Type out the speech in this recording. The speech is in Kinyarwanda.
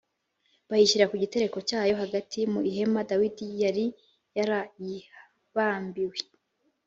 bayishyira ku gitereko cyayo hagati mu ihema Dawidi yari yarayibambiye.